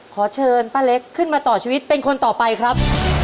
ขอเชิญป้าเล็กขึ้นมาต่อชีวิตเป็นคนต่อไปครับ